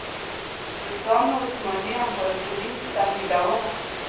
روسانو عثماني امپراطوري تهدیدوله.